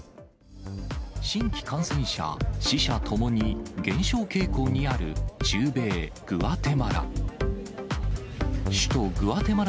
新規感染者、死者ともに減少傾向にある中米グアテマラ。